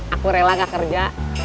aku rela nggak kerja